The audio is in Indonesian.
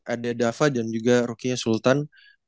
ada dava dan juga rocky sultan